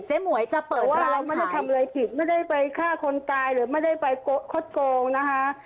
เจ๊หมวยจะเปิดร้านขายไม่ได้ไปฆ่าคนกายหรือไม่ได้ไปคดโกงนะคะ